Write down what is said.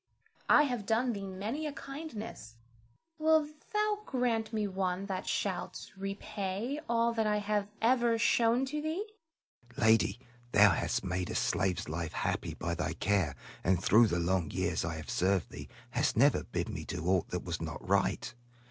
I have done thee many a kindness. Wilt thou grant me one that shalt repay all that I have ever shown to thee? Selim. Lady, thou hast made a slave's life happy by thy care, and through the long years I have served thee, hast never bid me do aught that was not right.